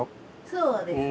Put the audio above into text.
そうです。